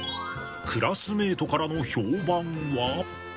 クラスメートからの評判は。